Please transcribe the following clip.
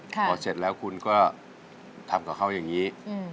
พอเสร็จแล้วคุณก็ทำกับเขาอย่างนี้